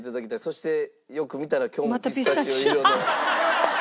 そしてよく見たら今日もピスタチオ色の。